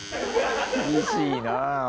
厳しいな。